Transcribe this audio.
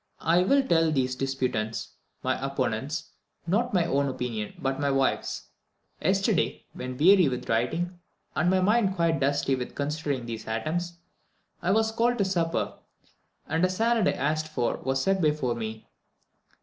I will tell those disputants, my opponents, not my own opinion, but my wife's. Yesterday, when weary with writing, and my mind quite dusty with considering these atoms, I was called to supper, and a salad I had asked for was set before me.